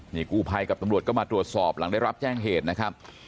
นี่กู้ภัยกับตำรวจก็มาตรวจสอบหลังได้รับแจ้งเหตุนะครับ